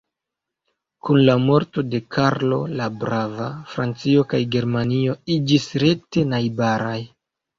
Kun la morto de Karlo la Brava, Francio kaj Germanio iĝis rekte najbaraj.